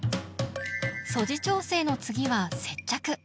素地調整の次は接着。